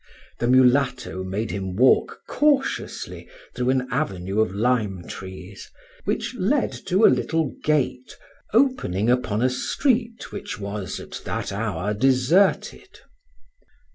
The mulatto made him walk cautiously through an avenue of lime trees, which led to a little gate opening upon a street which was at that hour deserted.